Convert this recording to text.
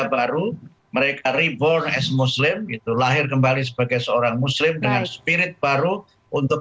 pernah berhenti untuk